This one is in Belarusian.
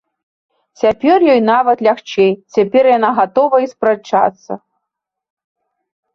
Цяпер ёй нават лягчэй, цяпер яна гатова й спрачацца.